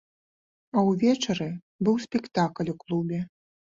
А ўвечары быў спектакль у клубе.